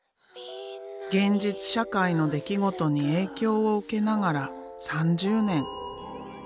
現実社会の出来事に影響を受けながら３０年。